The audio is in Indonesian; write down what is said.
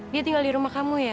dia tinggal di rumah kamu ya